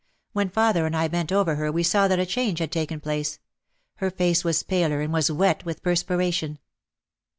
When father and I bent over her we saw that a change had taken place. Her face was paler and was wet with perspiration.